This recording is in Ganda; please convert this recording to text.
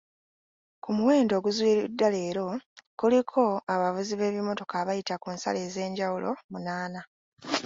Ku muwendo oguzuuliddwa leero kuliko abavuzi b’ebimotoka abayita ku nsalo ez’enjawulo munaana.